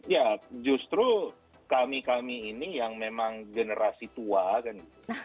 ya justru kami kami ini yang memang generasi tua kan